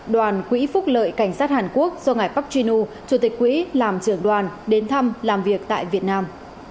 đoàn quỹ phúc lợi cảnh sát hàn quốc do ngài park jun nu chủ tịch quỹ làm trưởng đoàn đến thăm làm việc tại việt nam